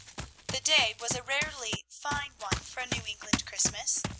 The day was a rarely fine one for a New England Christmas.